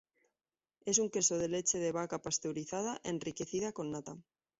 Es un queso de leche de vaca pasteurizada, enriquecida con nata.